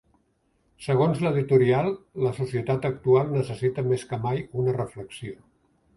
Segons l’editorial, la societat actual necessita més que mai una reflexió.